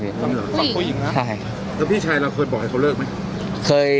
พี่ชายบอกให้เขาเลิกมั้ย